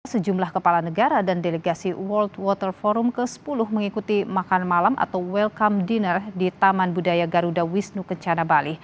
sejumlah kepala negara dan delegasi world water forum ke sepuluh mengikuti makan malam atau welcome dinner di taman budaya garuda wisnu kencana bali